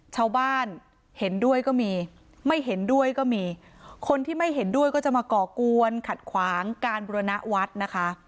ชาวบ้านเห็นด้วยก็มีไม่เห็นด้วยก็มีคนที่ไม่เห็นด้วยก็จะมาก่อกวนขัดขวางการบุรณวัดนะคะ